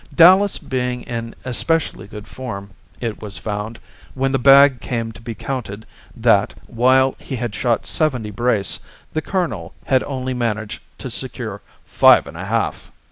Dallas being in especially good form, it was found, when the bag came to be counted, that, while he had shot seventy brace, the colonel had only managed to secure five and a half!